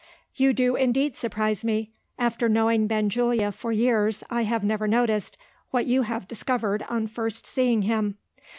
"You do indeed surprise me. After knowing Benjulia for years, I have never noticed, what you have discovered on first seeing him."